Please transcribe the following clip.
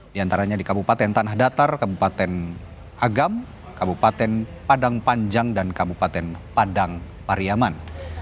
di antaranya di kabupaten tanah datar kabupaten agam kabupaten padang panjang dan kabupaten padang pariyaman